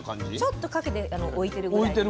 ちょっとかけて置いてるぐらい。